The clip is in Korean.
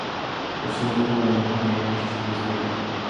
목소리를 떨다가 어머니의 무릎에 이마를 들부비며 느껴느껴 울었다.